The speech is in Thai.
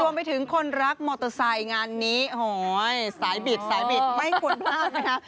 รวมไปถึงคนรักมอเตอร์ไซค์งานนี้สายบิดไม่ควรพลาดนะฮะ